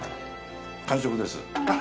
完食です。